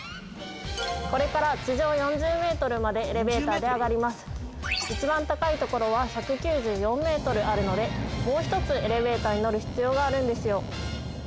これから地上４０ｍまでエレベーターで上がります一番高いところは１９４ｍあるのでもう一つエレベーターに乗る必要があるんですよ